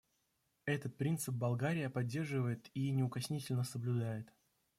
Этот принцип Болгария поддерживает и неукоснительно соблюдает.